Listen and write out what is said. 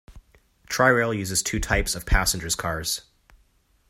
Tri-Rail uses two types of passengers cars.